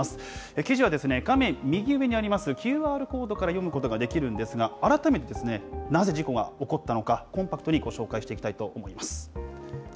記事は画面右上にあります、ＱＲコードから読むことができるんですが、改めて、なぜ事故が起こったのか、コンパクトにご紹介していきたいと思います。